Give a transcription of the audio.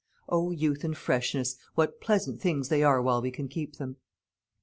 O, youth and freshness, what pleasant things they are while we can keep them!"